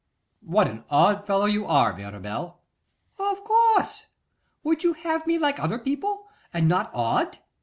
'What an odd fellow you are, Mirabel!' 'Of course! Would you have me like other people and not odd?